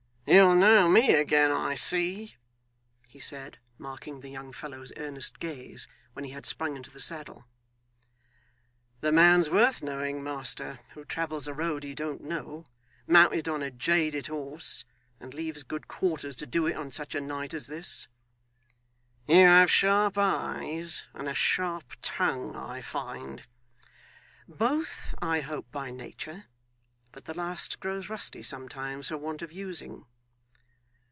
'You'll know me again, I see,' he said, marking the young fellow's earnest gaze, when he had sprung into the saddle. 'The man's worth knowing, master, who travels a road he don't know, mounted on a jaded horse, and leaves good quarters to do it on such a night as this.' 'You have sharp eyes and a sharp tongue, I find.' 'Both I hope by nature, but the last grows rusty sometimes for want of using.